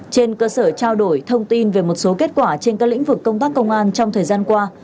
trên cơ sở trao đổi thông tin về một số kết quả trên các lĩnh vực công tác công an trong thời gian qua